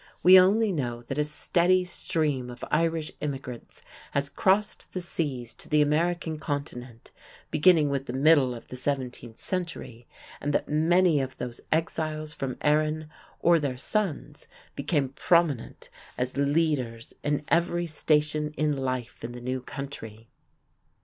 We only know that a steady stream of Irish immigrants has crossed the seas to the American continent, beginning with the middle of the seventeenth century, and that many of those "Exiles from Erin", or their sons, became prominent as leaders in every station in life in the new country.